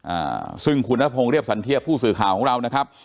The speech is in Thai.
อ่าซึ่งคุณนพงศ์เรียบสันเทียบผู้สื่อข่าวของเรานะครับ